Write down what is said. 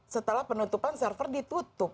setelah penutupan server ditutup